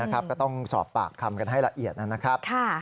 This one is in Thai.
ก็ต้องสอบปากคำกันให้ละเอียดนะครับ